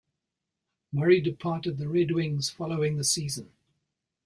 Murray departed the Red Wings following the season.